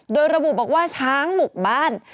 โดยระบุบอกว่าช้างหมู่บ้าน